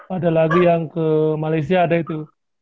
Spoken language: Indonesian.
ada lagi yang ke malaysia ada itu